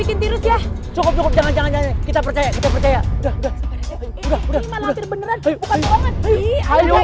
cukup cukup jangan jangan kita percaya kita percaya udah udah udah ini malampir beneran bukan bohongan